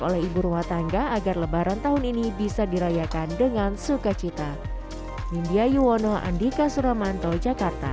oleh ibu rumah tangga agar lebaran tahun ini bisa dirayakan dengan sukacita nindya yuwono andika suramanto jakarta